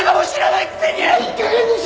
いいかげんにしろ！